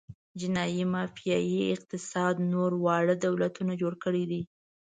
جنايي مافیايي اقتصاد نور واړه دولتونه جوړ کړي دي.